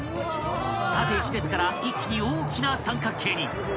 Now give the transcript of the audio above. ［縦一列から一気に大きな三角形に］